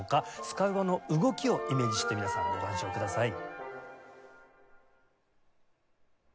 スカルボの動きをイメージして皆さんご鑑賞ください。